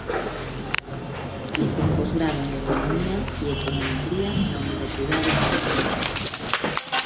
Hizo un postgrado en Economía y Econometría en la Universidad de Southampton.